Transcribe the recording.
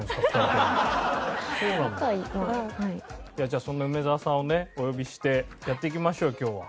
じゃあそんな梅澤さんをねお呼びしてやっていきましょう今日は。